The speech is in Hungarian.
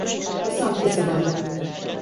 Viszont kiszabadul.